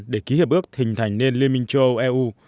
để ký hiệp ước hình thành nên liên minh châu âu eu